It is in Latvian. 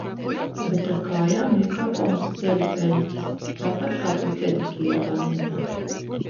Bet ar kājām iekāpām uz ceļa peļķes. Tāpat kā pie pedikīra vanniņā.